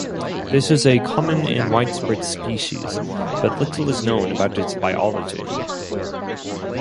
This is a common and widespread species, but little is known about its biology.